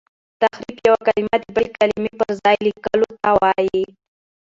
تحريف یو کلمه د بلي کلمې پر ځای لیکلو ته وايي.